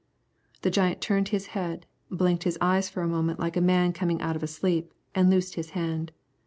The giant turned his head, blinked his eyes for a moment like a man coming out of a sleep, and loosed his hand.